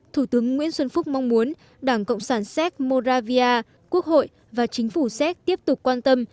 thủ tướng nguyễn xuân phúc mong muốn đảng cộng sản séc moravia quốc hội và chính phủ séc tiếp tục quan tâm